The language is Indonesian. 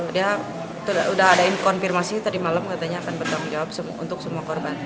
dia sudah ada konfirmasi tadi malam katanya akan bertanggung jawab untuk semua korban